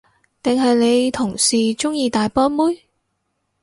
定係你同事鍾意大波妹？